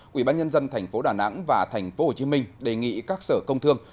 quỹ bán nhân dân tp đà nẵng và tp hồ chí minh đề nghị các sở công thương